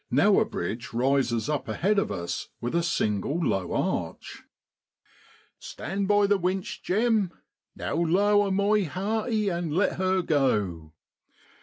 Now a bridge rises up ahead of us, with a single low arch. 4 Stand by the winch, Jem. Now lower, my hearty, and let her go.'